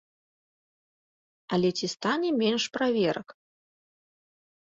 Але ці стане менш праверак?